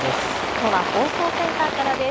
きょうは放送センターからです。